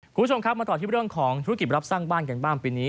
คุณผู้ชมครับมาต่อที่เรื่องของธุรกิจรับสร้างบ้านกันบ้างปีนี้